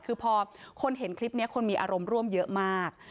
คือพอคนเห็นคลิปนี้คนมีอารมณ์ร่วมเยอะมาก